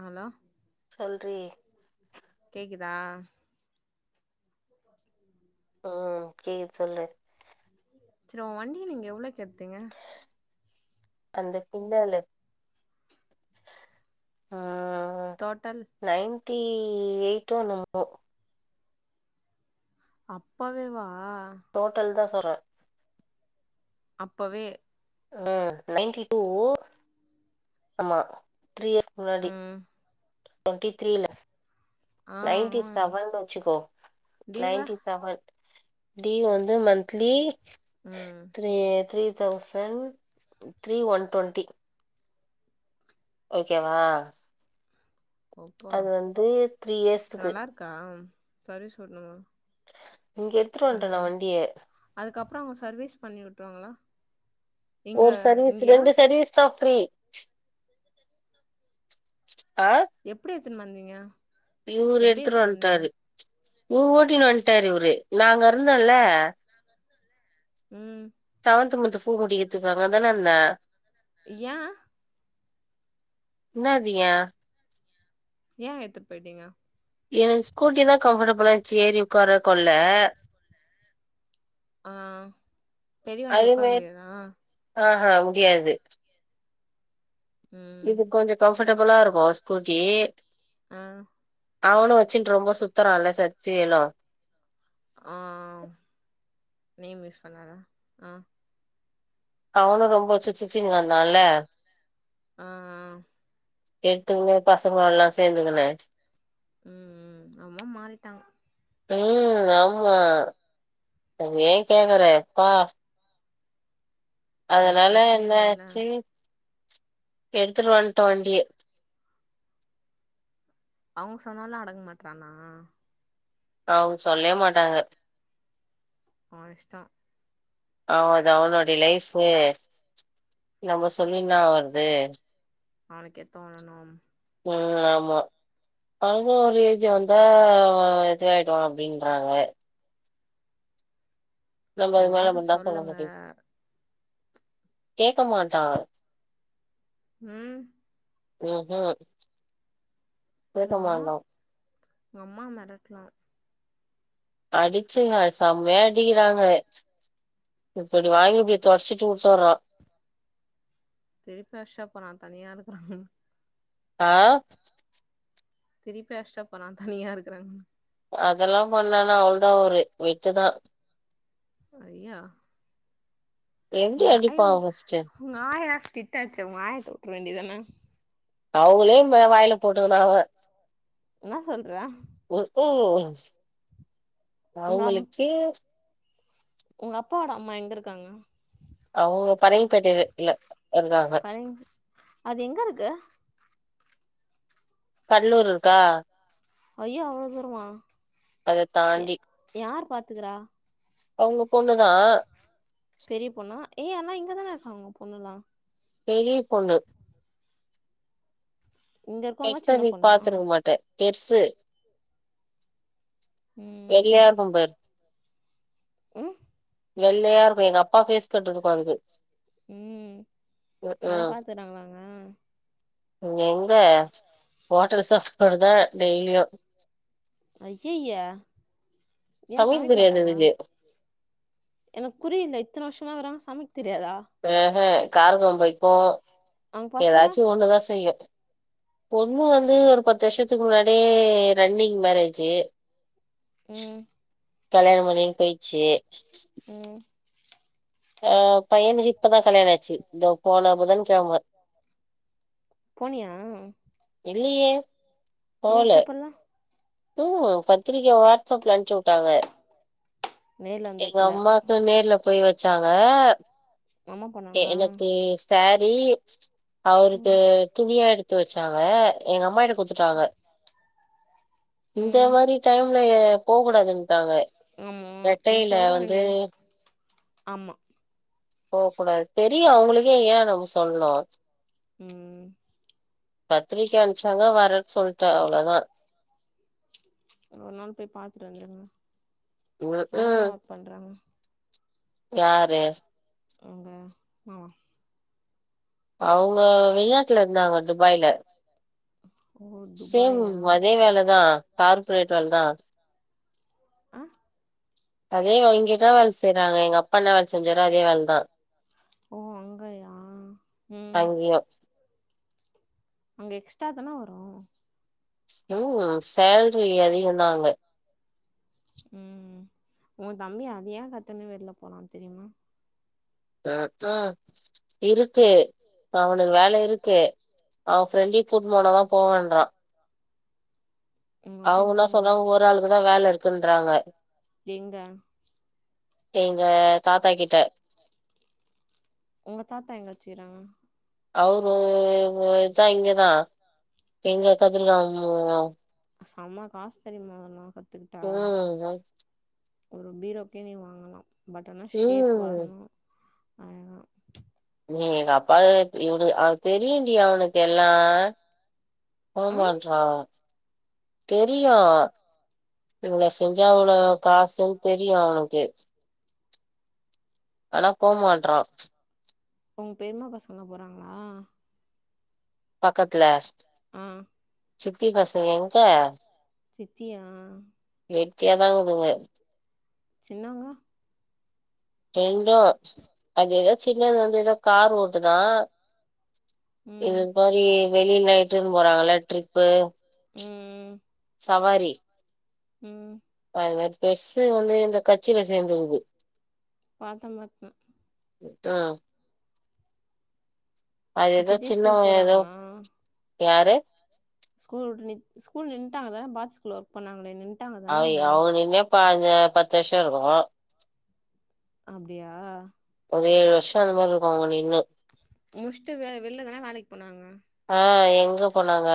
Hello றி கேக்குதா ம் கேக்து சொல்லு சிரு உ வண்டிய நீங்க எவ்ளக்கெடுத்தீங்க அந்த பின்னால ஆ டோட்டல் டி எயிட்டோ என்னமோ அப்பவே வா டோட்டல் தா சொறே அப்பவே ஆ நைன்டி டூ ஆமா த்ரீ இயர்ஸ்க் முன்னாடி ம் டொண்டி த்ரீல ஆ நைன்டி ஆ செவன்னு வச்சுக்கோ தீபா நைன்டி செவன் டீவ் வந்து மன்த்லி ம் three three thousand three one twenty ஓகேவா அப்பா அது வந்து த்ரீ இயர்ஸ்குக்கு சரி சொல்லுங்க இங்க எடுத்துட்டு வன்ட்டே நா வண்டிய அதுக்கப்புறம் அவங்க சர்வீஸ் பண்ணி வுட்டுவாங்களா ஒரு சர்வீஸ் ரெண்டு சர்வீஸ் தா த்ரீ ஆ எப்பிடி எத்துன் வந்தீங்க இவுரு எப்டி எடுத்துட்டு எத்துட்டு வந்தீங்க வன்ட்டாரு இவுரு ஓட்டினு வன்ட்டாரு இவுரு நாங்க அந்தோல்லே ம் ஆந்து முத்து ஃபூ முடிக்கத்துக்கு அங்க தானே இன்ந்தே ஏ இன்னாது ஏ ஏ எத்துட் போயிட்டீங்க எனக் ஸ்கூட்டிதா கம்ஃபர்ட்டபுள்ளா இன்ந்ச்சி ஏறி ஒக்கார கொள்ள ஆ பெரிவண்டி ஒக்கார முடியாதா ஆ முடியாது ம் இது கொஞ்சோ கம்ஃபர்ட்டபுளா இருக்கூ ஸ்கூட்டி ஆ அவனு வச்சுன் ரொம்ப சுத்தரான்ல சக்திவேலு ஓ நேம் யூஸ் பண்ணாத ஆ அவனு ரொம்ப சுத்தி சுத்தின் வந்தால்ல அ ஆ எத்துக்குனு பசங்கள்ல்லா சேந்துக்குனு ம் ம் அமா மாறிட்டாங் ம் ஆமா அது ஏ கேக்குறே பா இந்த அதனால பிரச்சனையே என்ன இல்லல்ல ஆச்சு எடுத்துட்டு வன்ட்டோ வண்டிய அவுங் சொன்னாலு அடங் மாட்றானா அவுங் சொல்லே மாட்டாங்க உ இஷ்டோ அவ் அது அவனோடைய லைஃபு நம்ம சொல்லி இன்னா ஆவற்து அவனுக்கே தோணணும் ஆ ஆமா ஆனா ஒரு ஏஜ் வந்தா இதாயிடுவா அப்டின்றாங்க நம்ம ஒரு இதுக் மேல வார்த்த முட்ஞ்சா சொல்ல சொல்லுங்க மாட்டே கேக்கமாட்டா உம் உஹம் உங்கம்மா உங்‌ அம்மா மெரட்றாங்க அடிச்சுங்க செம்யா அடிக்கிறாங்க இப்டி வாங்கிப்டி தொட்ச்சிட்டு வுட்டுறா திரிப்பிஅஷ்ரப்போறா தனியா இருக்கறாங்கன்னு ஆஹ் திருப்பி அஷ்டப்போறா தனியா இருக்கறாங்கனு அதெல்லா பண்ணானா அவ்ளதா அவ்ரு விட்டுதா ஐய்யா எப்டி உங்க அடிப்பா அயோ உ ஃபஸ்ட்டு உங்க ஆயா திட்டாச்சு உங்க ஆய தூக்க வேண்டிதானா அவளே மே வாயல போட்டுக்குனா அவ ன்ன சொல்ற ம் உங்க அம் அவுங்ளுக்கே உங்க அப்பாவோட அம்மா எங்க இருக்காங்க அவுங்க பறங்கி பேட்டைய்லே இல்ல இருந்தாங்க பாரேங் அது எங்க இருக்கு கட்லூர் இருக்கா ஐயோ அவ்ளோ தூரமா அத யார் பாத்துக்கறா அவ்ங்க பொண்ணுதா பெரிய பொண்ணா ஏய் அல்லா இங்கதானே இருக்காங்க பொண்ணுல்லா பெரிய பொண்ணு இங்க இருக்கவங்க பெர்ச சின்ன நீ பொண்ணா பாத்துருக்க மாட்டே பெர்சு வெள்ளையா ம் இருக்கு பாரு ம் வெள்ளையா இருக்கு எங்க அப்பா பேஸ் கட்டு இருக்கு அதுக்கு ம் ம் நல்லா ம் பாத்துக்குறாங்களா உன்ன எங்க ஹோட்டல் சப்பாடு தா டெய்லியு அய்யய்ய ஏன் சமைக்க தெரியாது மாட்டாங்களா அதுக்கு எனக்கு புரியல இத்தன வருஷமா கிறாங்க சமைக் அஹ்ஹ காரக்கொழம்பு வெக்கும் அவங்க பசங்க ஏதாச்சும் ஒண்ணுதா செய்யும் பொண்ணு வந்து ஒரு பத்து வருஷத்துக்கு முன்னாடியே ரன்னிங் மேரேஜி ம் கல்யாணம் பண்ணின்னு போயிச்சி ம் ஆஹ் பையனுக்கு இப்பதா கல்யாணோ ஆச்சி இதோ போன புதன் கிழமை போனியா இல்லையே ஏ போல கூப்பிட்ல ம் பத்திரிக்கய வாட்ஸ் அப்ல அனுப்ச்சி உட்டாங்க நேர்ல வந்து எங்க வைக்கல அம்மாக்கு நேர்ல போய் வெச்சாங்க அம்மா போனாங்களா எனக்கு சாரி அவருக்கு ம் துணியா எடு எடுத்து வச்சாக எங்க அம்மாட்ட குடுத்துட்டாக இந்த ம் மாதிரி டைம்ல போக் கூடாதுன்ட்டாங்க ஆமா நீ கடைல வந்து சொல்றேன்டி ஆமா போக்கூடாது தெரியு அவுங்களுக்கே ஏ நம்ம சொல்ணு ம் பத்திரிக்க அனுப்ச்சாங்க வரேனு சொல்ட்டே அவ்ளோதா ஒரு நாள் போய் பாத்துட்டு வந்துருங்க அவுங்க ம்ஹ்ம். என்ன ஒர்க் பண்றாங்க யாரு அவுங்க மாமா அவுங்க வெளிநாட்டுல இருந்தாங்க துபாய்ல ஓ சேம் துபாயா அதே வேலைதா கார்ப்ரேட் வேலைதா அ அதே வாங்கிதா செய்றாங்க எங்க அப்பா என்ன வேல செஞ்சாரோ அதே வேலதா ஓ அங்கயா ம் அங்கயு அங்க எக்ஸ்ட்ரா தான வரு ம் சால்ரி அதிகன்தா அங்க ம் உன் தம்பி அதையா கத்துன்னு வெள்ல போனா தெரியுமா இருக்கு அவனுக்கு வேலை இருக்கு அவ ஃப்ரெண்ட்டயு கூட்னு போனாதா போவேன்றா அவுங்க உங்கட்டின்னு என்ன போ சொல்றாங்க ஒரு ஆளுக்குதா வேல இருக்குன்றாங்க எங்க எங்க தாத்தா கிட்ட உங்க தாத்தா எங்க வெச்சிகிறாங்க அவரு இதா இங்கதா எங்க கதிர்காமு செம காசு தெரியுமா இதெல்லா உம் ஒரு பீரோகே நீ வாங்கலா பட் ஆனா ஷேப் ம் வரணும் ஆயமா ஏ ன்னாப்பா இவனு ஆஹ் தெரியுண்டி அவனுக்கு எல்லா ஆ ஆமான்றா தெரியு இவ்ளோ செஞ்சா அவ்ளோ காசுன்னு தெரியு அவனுக்கே ஆனா போ மாட்றா உங் பெரிமா பசங்கல்லா போறாங்ளா பக்கத்துல ஆஹ் சித்தி பசங்க எங்க சித்தியா வெட்டியாதா கிதுங்க சின்னவங்க ரெண்டு அது ஏதோ சின்னது வந்து ஏதோ கார் ஓட்டுதா ம் இது மாதிரி வெளிய இட்டுனு போறாங்க ட்ரிப்பு உம் சவாரி ம் அது மாரி பெருசு வந்து இந்த கச்சில சேர்ந்துக்குது பாத்தே பாத்தே ம் ஹும் உ ஏதோ சித்தி ஸ்கூல் சின்னவ ஏதோ போறாங்களா யாரு ஸ்கூல் உட்டு நி ஸ்கூல் நின்டாங்கள பாத் ஸ்கூல்ல ஒர்க் பண்ணாங்களே நின் அய் அவுங் நின்னே பாஞ்ச பத்து வருஷோ இருக்கு அப்டியா ஒரு ஏழு வருஷோ அந்த மாரி இருக்கு அவுங்க நின்னு முடிச்சுட்டு வெ வெள்ல தான வேலைக்கு போனாங்க ஆ எங்க போனாங்க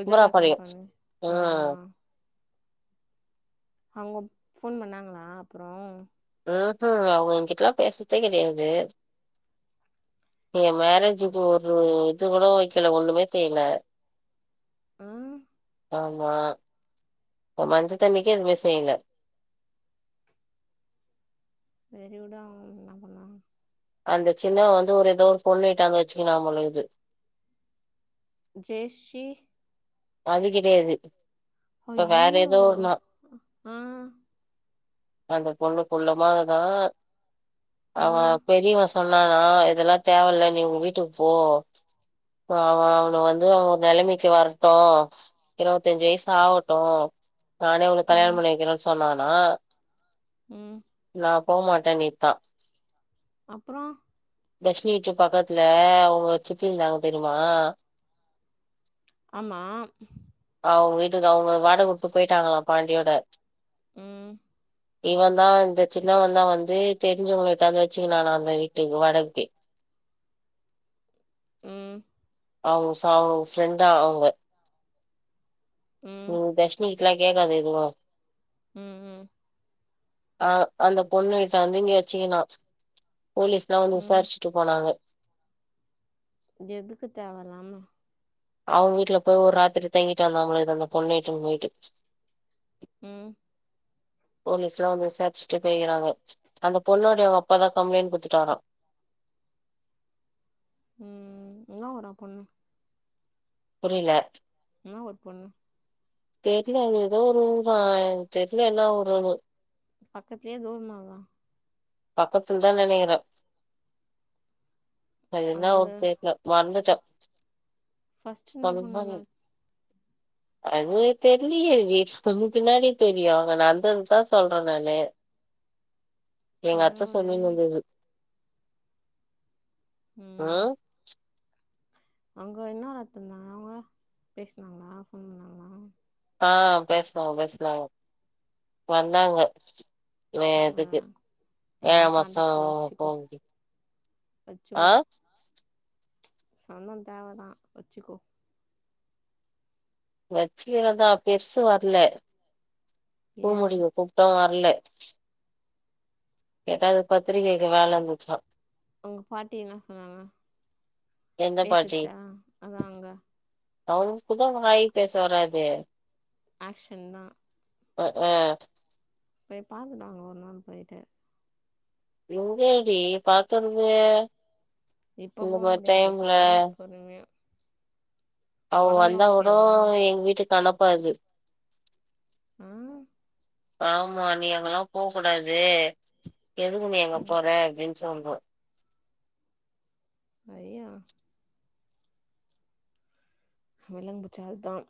உஜாலா கும்பராபாளையோ கம்பனி ஆ ம் அவுங்கப் ஃபோன் பண்ணாங்களா அப்பறோ ம்ஹும் அவுங்க எங்கிட்டல்லா பேசதே கெடையாது ஏ மேரேஜுக்கு ஒரு இது கூட வக்கல ஒண்ணுமே செய்யல ம் ஆமா ஒ மஞ்ச தண்ணிக்கே எதுமே செய்ல செரி வுடு அவுங் என்ன பண்ண அந்த சின்னவ வந்து ஒரு ஏதோ ஒரு பொண்ண இட்டாந்து வச்சுக்கினா போலகீது ஜெயஸ்ரீ அது கெடையாது அய்யயோ ஆ அந்த பொண்ணு குள்ளமாக்குதா ஆ அவே பெரியவ சொ சொன்னானா இதெல்லா தேவல்ல நீ உ வீட்டுக்கு போ ஆமா அவன வந்து அவே ஒரு நெலைமைக்கு வர ட்டோ இருவத்தஞ்சு வயசு ஆவட்டு நானே உனக்கு கல்யாணம் ம் பண்ணி வக்கிறேனு சொன்னான் ஆ ம் போமாட்டே கிட்டா அப்பறோ தர்ஷினி வீட்டு பக்கத்துல அவுங்க சித்திருந்தாங்க தெரியுமா ஆமா அவுங்க வீட்டுக்கு அவுங்க வாடகவுட்டு போயிட்டாங்களா பாண்டியோட ம் இவ தா இந்த சின்னவன் தா வந்து தெரிஞ்சவுங்க வுட்டாந்து வச்சுக்கினானா அதுமாரி வீட்டுக் வாடகக்கி ம் அவுங்சா வுங்க ஃப்ரெண்டா அவுங்க ம் தர்ஷ்னி கிட்டல்லா கேட்காத எதுவு ம் ம் அ அந்த பொண்ணு ட்டாந்து இங்க வச்சிகினா போலீஸ்லா வந்து ம் விசாரிச்சிட்டு போனாங்க இது எதுக்கு தேவல்லாம அவுங்க வீட்ல போய் ஒரு ராத்திரி தங்கிட்டு வந்தாமள அந்த பொண்ணு வீட்டுக்கு போயிட்டு ம் போலீஸ்லா வந்து விசாரிச்சுட்டு பேய்கிறாங்க அந்த பொண்ணோடையவு அப்பா தா கம்ளைண்ட் குடுத்துட்டாரா ம் என்ன ஊரா பொண்ணு புரியல என்ன ஊரு பொண்ணு தெரில அது ஏதோ ஒரு ஊரா என் தெர்ல என்ன ஊருனு பக்கத்துலயா தூரமாவா பக்கத்துல தான் நினைக்கிறேன் ஆ எதோ அந்த ஒரு பேரு சொன்னா மறந்துட்ட ஃபர்ஸ்ட் இருந்த பொண்ணு என்னாச்சி அது தெரியலே விஜி கொஞ்சம் பின்னாடி தெரியும் அங்க நடந்ததுதான் சொல்றே நானு [inaudible] எங்க அத்த கடவுளே சொன்னீங் இருந்துது ம் அஹ் அங்க என்ன வேல பாத்தீட்டு இருந்தாங்க அவுங்க பேசுனாங்களா போன் பண்ணாங்களா ஆஹ் பேசுனாங்க பேசுனாங்க வந்தாங்க ஆ வேதத்துக்கு மே எல்லா மாசம் கான்டக்ட்ல போ வச்சுக்கோ முடிய வச்சுக்கோ சொல்றே தேவைதான் வச்சுக்கோ வச்சிக்குவேதான் பெருசு வரல பூ ஏ முடிக்க கூப்டோம் வரல ஏதாவது பத்திரிகை வைக்க வேல வந்துச்சா உங்க பாட்டி என்ன சொன்னாங்க எந்த பேசுச்சா அதான் அங்க அவுங்களுக்குதா வாய் பேச வராதே அக்க்ஷன் தான் அஹ்ஆ போய் பாத்துட்டாங்க ஒரு நாள் போயிட்டு எங்கடி பாக்குரது இப்ப போக முடியாது சொல்றன் பொறுமையா அவுங்க ஒடம்புலா வந்தா கூட ஓகேவா எங்க வீட்டுக்கு அனுப்பாது ஆஹ் ஆமா நீ அங்கெல்லாம் போக கூடாது எதுக்கு நீ அங்க ம் போற அப்படின்னு சொல்றன் ஐயோ விளும்பு பச்சாலதான்